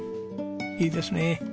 いいですね。